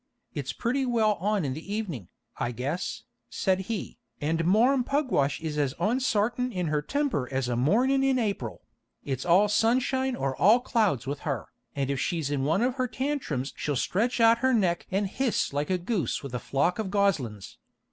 "It's pretty well on in the evening, I guess," said he, "and Marm Pugwash is as onsartin in her temper as a mornin' in April; it's all sunshine or all clouds with her, and if she's in one of her tantrums she'll stretch out her neck and hiss like a goose with a flock of goslin's.